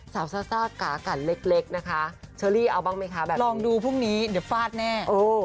ซาซ่ากากันเล็กนะคะเชอรี่เอาบ้างไหมคะแบบลองดูพรุ่งนี้เดี๋ยวฟาดแน่